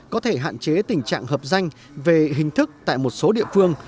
có thể hạn chế tình trạng hợp danh về hình thức tại một số địa phương